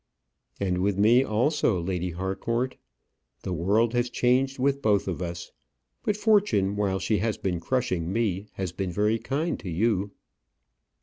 "And with me also, Lady Harcourt. The world has changed with both of us. But Fortune, while she has been crushing me, has been very kind to you."